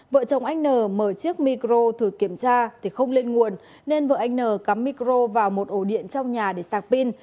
vợ chồng anh n mở chiếc micro thử kiểm tra thì không lên nguồn nên vợ anh nắm micro vào một ổ điện trong nhà để sạc pin